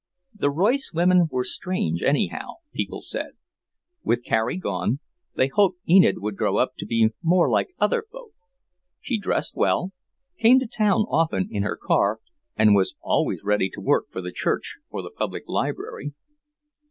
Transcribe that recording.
The Royce women were strange, anyhow, people said; with Carrie gone, they hoped Enid would grow up to be more like other folk. She dressed well, came to town often in her car, and was always ready to work for the church or the public library.